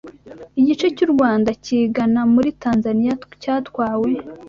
igice cy’u Rwanda kigana muri Tanzaniya cyatwawe